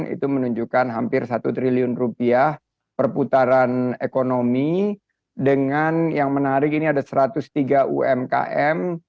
itu menunjukkan hampir satu triliun rupiah perputaran ekonomi dengan yang menarik ini ada satu ratus tiga umkm